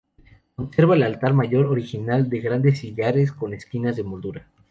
Conserva el altar mayor original de grandes sillares con esquinas en moldura.